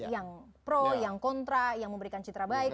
yang pro yang kontra yang memberikan citra baik